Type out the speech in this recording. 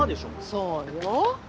そうよ。